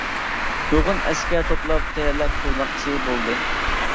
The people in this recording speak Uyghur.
نۇرغۇن ئەسكەر توپلاپ تەييارلىق قىلماقچى بولدى.